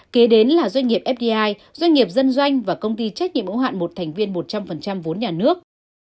kế đến là doanh nghiệp fdi doanh nghiệp dân doanh và công ty trách nhiệm ủng hạn một thành viên một trăm linh vốn nhà nước